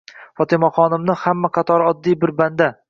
Fotimaxonimni hamma qatori oddiy bir banda